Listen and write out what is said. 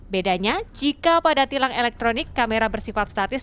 bedanya jika pada tilang elektronik kamera bersifat statis